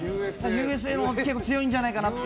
「Ｕ．Ｓ．Ａ．」のほうが結構強いんじゃないかなと。